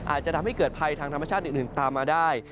อาจจะทำให้เกิดภัยทางธรรมชาติอื่นตามมาได้